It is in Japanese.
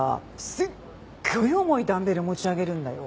すっごい重いダンベル持ち上げるんだよ。